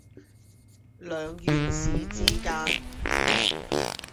兩縣市之間